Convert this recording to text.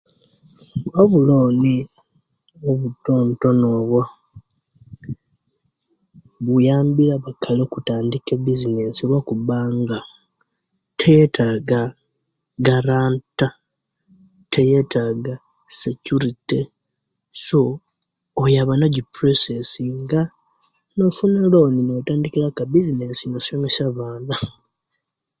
Obuloni obutontono obwo buyambire abakali okutandika obubizinesi lwokubanga tiyetaga garanta, tiyetaga security so oyaba no jiprocessinga nosuna eloni notandika akabizinesi nosomesya abaana